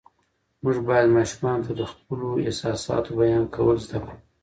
موږ باید ماشومانو ته د خپلو احساساتو بیان کول زده کړو